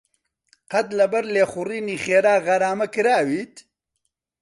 قەت لەبەر لێخوڕینی خێرا غەرامە کراویت؟